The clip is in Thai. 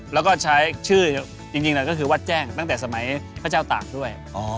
แล้วก็ใช้ชื่อจริงเลยก็คือวัดแจ้งตั้งแต่สมัยพระเจ้าตากด้วย